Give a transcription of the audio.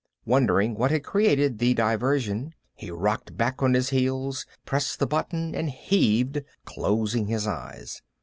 Wondering what had created the diversion, he rocked back on his heels, pressed the button, and heaved, closing his eyes.